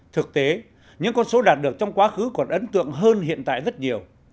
thực tế những con số đạt được trong quá khứ còn ấn tượng hơn hiện tại rất nhiều